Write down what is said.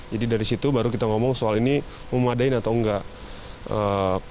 jadi dari situ baru kita ngomong soal ini memadain atau enggak